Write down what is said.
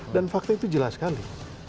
dan fakta itu jelas sekali